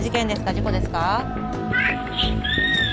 事故ですか？